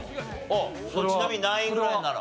ちなみに何位ぐらいなの？